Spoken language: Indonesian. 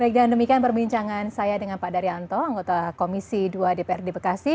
baik dan demikian perbincangan saya dengan pak daryanto anggota komisi ii dpr di bekasi